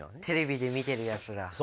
テレビで見てるやつだ。